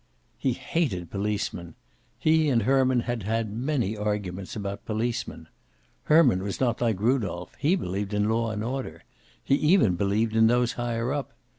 He hated policemen. He and Herman had had many arguments about policemen. Herman was not like Rudolph. He believed in law and order. He even believed in those higher up.